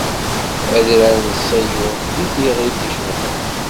Adrar n Ṣiyun d tiɣilt icebḥen.